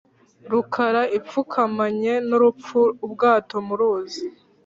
Rukara ipfukamanye n'urupfu-Ubwato mu ruzi.